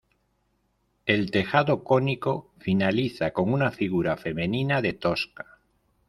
El tejado cónico finaliza con una figura femenina de tosca.